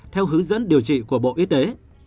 theo hướng dẫn điều trị của bộ y tế